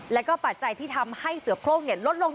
แล้วก็ปัจจัยที่ทำให้เสือโครงลดลง